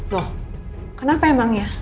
loh kenapa emangnya